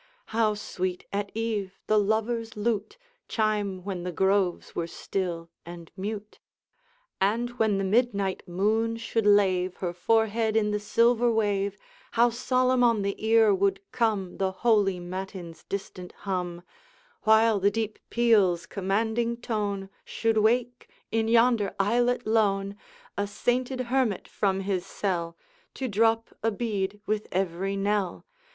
How sweet at eve the lover's lute Chime when the groves were still and mute! And when the midnight moon should lave Her forehead in the silver wave, How solemn on the ear would come The holy matins' distant hum, While the deep peal's commanding tone Should wake, in yonder islet lone, A sainted hermit from his cell, To drop a bead with every knell!